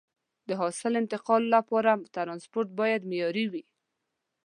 د حاصل انتقال لپاره ترانسپورت باید معیاري وي.